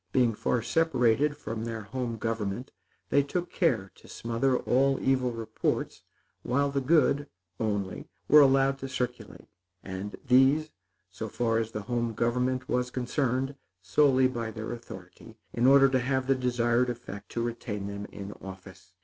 Being far separated from their home government, they took care to smother all evil reports, while the good, only, were allowed to circulate; and these, so far as the home government was concerned, solely by their authority, in order to have the desired effect to retain them in office.